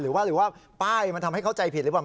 หรือว่าหรือว่าป้ายมันทำให้เข้าใจผิดหรือเปล่า